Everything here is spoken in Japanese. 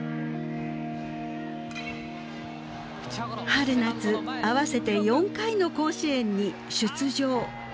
春夏合わせて４回の甲子園に出場。